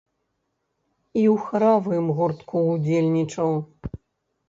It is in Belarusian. І ў харавым гуртку ўдзельнічаў.